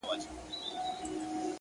مثبت ذهن د ستونزو تر شا درس ویني!.